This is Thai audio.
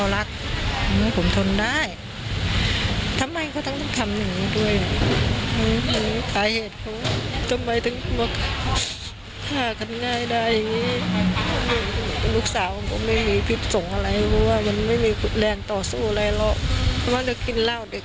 ลูกสาวก็ไม่มีผิดทรงไม่มีแรงต่อสู้อะไร